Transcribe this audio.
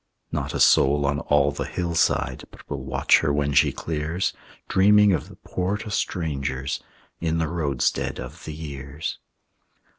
Not a soul on all the hillside But will watch her when she clears, Dreaming of the Port o' Strangers In the roadstead of the years.